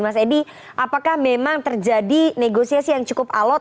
mas edi apakah memang terjadi negosiasi yang cukup alot